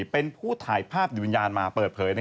เป็นผู้ถ่ายภาพโดยวิญญาณมาเปิดเผย